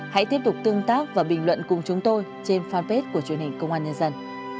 hãy tiếp tục tương tác và bình luận cùng chúng tôi trên fanpage của truyền hình công an nhân dân